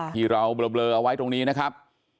ที่เราเบลอเอาไว้ตรงนี้นะครับ